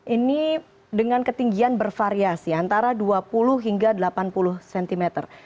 ini dengan ketinggian bervariasi antara dua puluh hingga delapan puluh cm